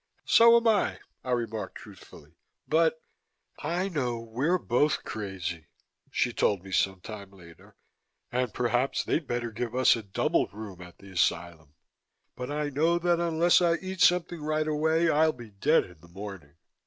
"So am I," I remarked truthfully, "but " "I know we're both crazy," she told me some time later, "and perhaps they'd better give us a double room at the asylum. But I know that unless I eat something right away I'll be dead in the morning."